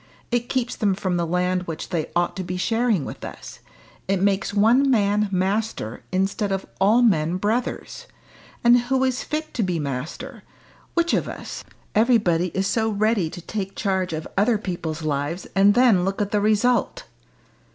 It keeps them from the land which they ought to be sharing with us; it makes one man master, instead of all men brothers. And who is fit to be master? Which of us? Everybody is so ready to take the charge of other people's lives, and then look at the result!"